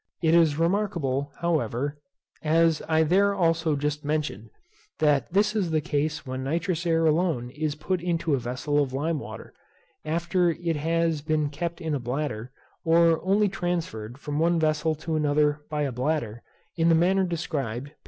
It is remarkable, however, as I there also just mentioned, that this is the case when nitrous air alone is put to a vessel of lime water, after it has been kept in a bladder, or only transferred from one vessel to another by a bladder, in the manner described, p.